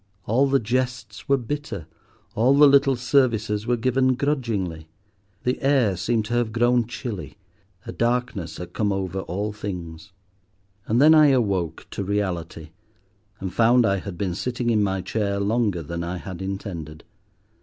All the jests were bitter, all the little services were given grudgingly. The air seemed to have grown chilly. A darkness had come over all things. And then I awoke to reality, and found I had been sitting in my chair longer than I had intended.